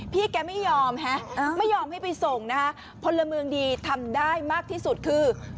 แกไม่ยอมฮะไม่ยอมให้ไปส่งนะคะพลเมืองดีทำได้มากที่สุดคือ